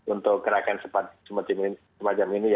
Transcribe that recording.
untuk gerakan seperti ini